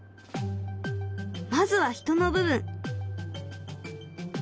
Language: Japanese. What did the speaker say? まずは人の部分。